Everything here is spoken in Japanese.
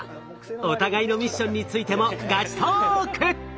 お互いのミッションについてもガチトーク！